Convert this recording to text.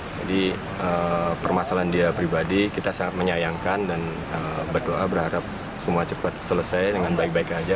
jadi permasalahan dia pribadi kita sangat menyayangkan dan berdoa berharap semua cepat selesai dengan baik baik aja